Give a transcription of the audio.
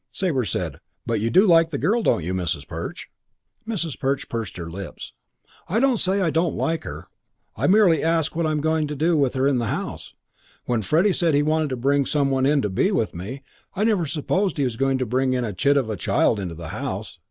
Sabre said, "But you do like the girl, don't you, Mrs. Perch?" Mrs. Perch pursed her lips. "I don't say I don't like her. I merely ask what I'm going to do with her in the house. When Freddie said he wanted to bring some one in to be with me, I never supposed he was going to bring a chit of a child into the house.